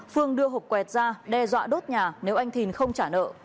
phương đưa hột quẹt ra đe dọa đốt nhà nếu anh thìn không trả nợ